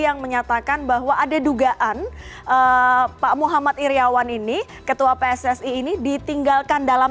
yang menyatakan bahwa ada dugaan pak muhammad iryawan ini ketua pssi ini ditinggalkan dalam